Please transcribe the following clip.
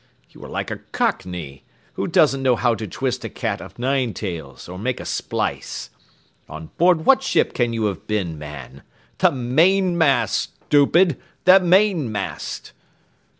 You are like a cockney, who doesn't know how to twist a cat o' nine tails, or make a splice. On board what ship can you have been, man? The mainmast, stupid, the mainmast!"